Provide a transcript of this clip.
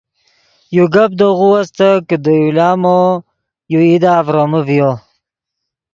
یو گپ دے غو استت کہ دے یو لامو یو ایدا ڤرومے ڤیو